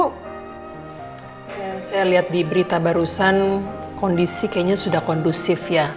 saya lihat di berita barusan kondisi kayaknya sudah kondusif ya